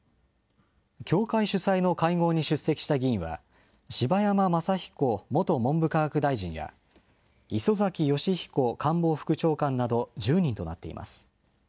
教会主催の会合に出席した議員は、柴山昌彦元文部科学大臣や、磯崎仁彦官房副長官など１０人となっています。